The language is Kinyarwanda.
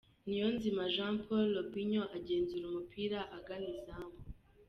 Niyonzima Jean Paul Robinho agenzura umupira agana izamu.